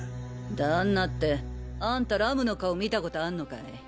旦那ってアンタＲＵＭの顔見たことあんのかい？